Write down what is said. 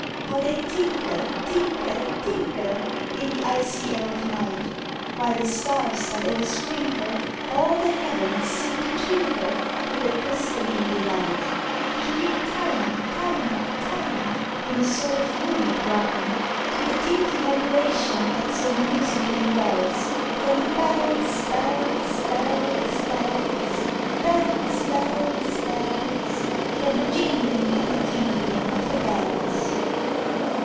How they tinkle, tinkle, tinkle, In the icy air of night! While the stars, that oversprinkle All the heavens, seem to twinkle With a crystalline delight; Keeping time, time, time, In a sort if Runic rhyme, To the tintinabulation that so musically wells From the bells, bells, bells, bells, Bells, bells, bells, From the jingling and the tinkling of the bells.